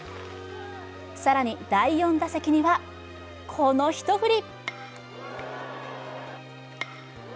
更に第４打席には、この一振り。